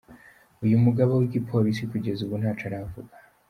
Uwo mugaba w'igipolisi kugeza ubu ntaco aravuga.